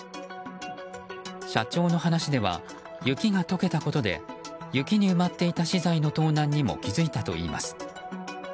社長の話では雪が解けたことで雪に埋まっていた資材の盗難にも気付いたといいます。